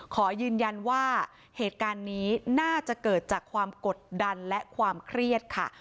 ขอยืนยันว่าเหตุการณ์นี้น่าจะเกิดจากความกดดันและความเครียดค่ะ